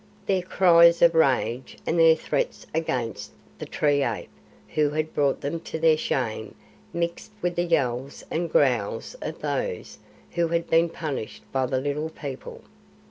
Their cries of rage and their threats against the "tree ape" who had brought them to their shame mixed with the yells and growls of those who had been punished by the Little People.